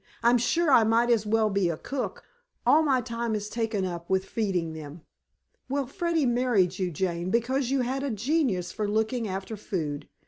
"I'm sure I might as well be a cook. All my time is taken up with feeding them." "Well, Freddy married you, Jane, because you had a genius for looking after food.